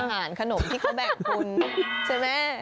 อาหารขนมที่เขาแบ่งคุณใช่ไหม